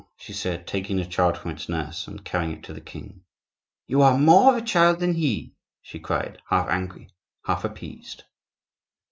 she said, taking the child from its nurse and carrying it to the king. "You are more of a child than he," she cried, half angry, half appeased.